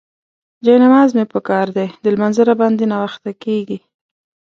جاینماز مې پکار دی، د لمانځه راباندې ناوخته کيږي.